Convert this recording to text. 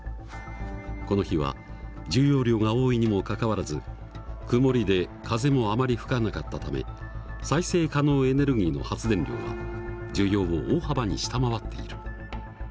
この日は需要量が多いにもかかわらず曇りで風もあまり吹かなかったため再生可能エネルギーの発電量は需要を大幅に下回っている。